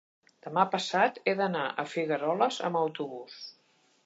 Demà passat he d'anar a Figueroles amb autobús.